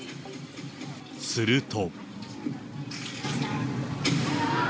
すると。